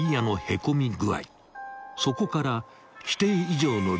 ［そこから］